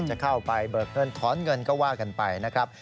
จะเข้าไปเบิกเงินถอนเงินก็ว่ากันไปนะครับ